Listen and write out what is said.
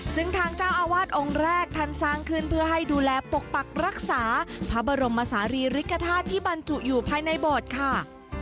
ซึ่งทางเจ้าอาวาสองค์แรกท่านสร้างขึ้นเพื่อให้ดูแลปกปักรักษาพระบรมศาลีริกฐาตุที่บรรจุอยู่ภายในโบสถ์ค่ะ